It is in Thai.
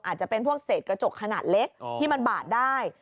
อาจจะเป็นพวกเศษกระจกขนาดเล็กที่มันบาดได้